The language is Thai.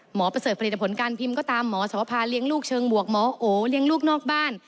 ประเสริฐผลิตผลการพิมพ์ก็ตามหมอสวภาเลี้ยงลูกเชิงบวกหมอโอเลี้ยงลูกนอกบ้าน